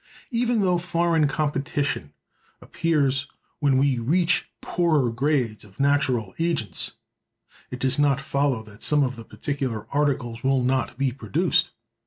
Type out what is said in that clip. Even though foreign competition appears when we reach poorer grades of natural agents, it does not follow that some of the particular articles will not be produced.